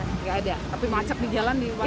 nggak ada tapi macek di jalan di mana mana